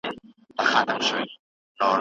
رانجه چې اصل وي